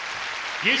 優勝